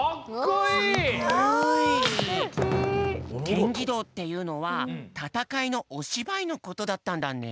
ケンギドーっていうのは戦いのおしばいのことだったんだね。